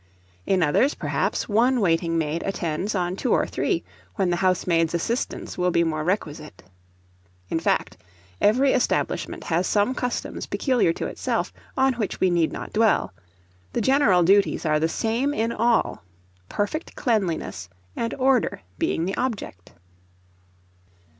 In others, perhaps, one waiting maid attends on two or three, when the housemaid's assistance will be more requisite. In fact, every establishment has some customs peculiar to itself, on which we need not dwell; the general duties are the same in all, perfect cleanliness and order being the object.